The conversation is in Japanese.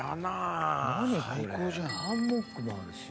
ハンモックもあるし。